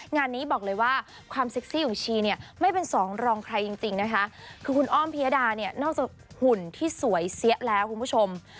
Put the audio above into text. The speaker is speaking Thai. งานนี้บอกเลยว่าความเซ็กซี่ของชีเนี่ยไม่เป็นสองรองใครจริงนะคะคือคุณอ้อมพิยดาเนี่ยนอกจากหุ่นที่สวยเสียแล้วคุณผู้ชม